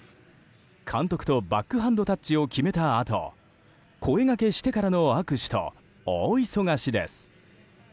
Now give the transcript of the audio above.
監督とバックハンドタッチを決めたあと声掛けしてからの握手と大忙しです。